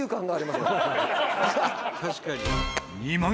確かに。